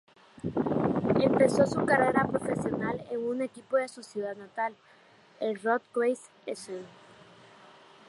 Empezó su carrera profesional en un equipo de su ciudad natal, el Rot-Weiss Essen.